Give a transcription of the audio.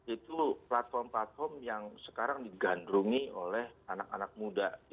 itu platform platform yang sekarang digandrungi oleh anak anak muda